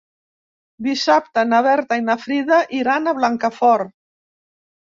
Dissabte na Berta i na Frida iran a Blancafort.